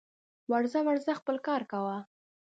ورځه ورځه خپل کار کوه